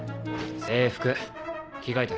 制服着替えて。